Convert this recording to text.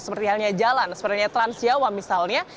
seperti halnya jalan seperti halnya trans jawa misalnya